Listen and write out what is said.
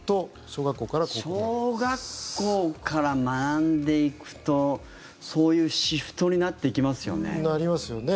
小学校から学んでいくとそういうシフトになっていきますよね。